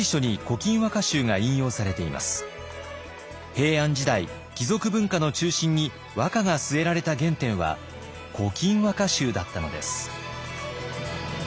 平安時代貴族文化の中心に和歌が据えられた原点は「古今和歌集」だったのです。